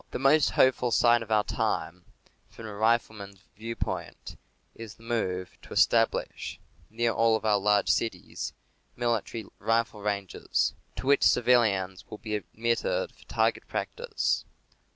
The most hopeful sign of our time, from a rifleman's viewpoint, is the move to establish, near all of our large cities, military rifle ranges, to which civilians will be admitted for target practice.